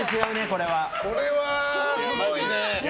これは、すごいね。